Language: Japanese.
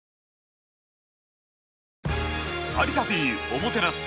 「有田Ｐおもてなす」。